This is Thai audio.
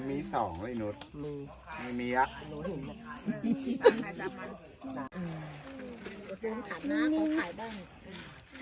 มันมีสองเลยหนูกมึงไม่มียักษ์